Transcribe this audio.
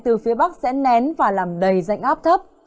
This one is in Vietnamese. từ phía bắc sẽ nén và làm đầy rãnh áp thấp